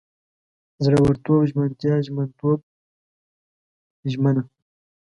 زړورتوب، ژمنتیا، ژمنتوب، ژمنه